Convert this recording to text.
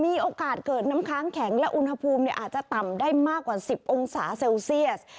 มีโอกาสเกิดน้ำค้างแข็งและอุณหภูมิอาจจะต่ำได้มากกว่า๑๐องศาเซลเซียส